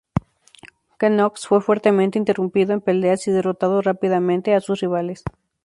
Knox fue fuertemente, interrumpiendo en peleas y derrotando rápidamente a sus rivales.